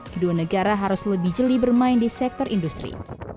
kedua negara harus lebih jeli bermain di sektor industri